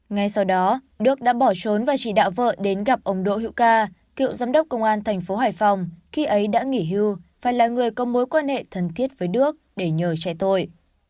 ngay sau đó đức đã bỏ trốn và chỉ đạo vợ đến gặp ông đỗ hữu ca cựu giám đốc công an thành phố hải phòng khi ấy đã nghỉ hưu phải là người có mối quan hệ thân thiết với đức để nhờ trẻ tội